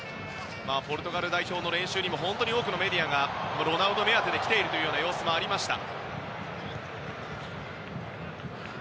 ポルトガル代表の練習にも本当に多くのメディアがロナウド目当てで来ている様子もありました。